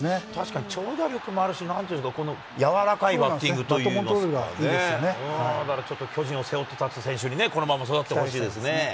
確かに長打力もあるしなんていうんですか、このやわらかいバッティングですかね、巨人を背負って立つ選手に、このまま育っていってほしいですね。